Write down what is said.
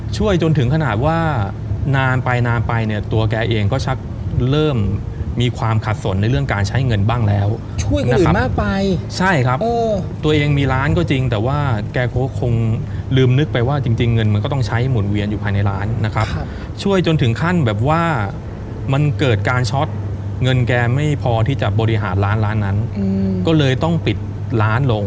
ช่วยจนถึงขนาดว่านานไปนานไปเนี่ยตัวแกเองก็ชักเริ่มมีความขัดสนในเรื่องการใช้เงินบ้างแล้วช่วยนะครับมากไปใช่ครับตัวเองมีร้านก็จริงแต่ว่าแกก็คงลืมนึกไปว่าจริงจริงเงินมันก็ต้องใช้หมุนเวียนอยู่ภายในร้านนะครับช่วยจนถึงขั้นแบบว่ามันเกิดการช็อตเงินแกไม่พอที่จะบริหารร้านร้านนั้นก็เลยต้องปิดร้านลง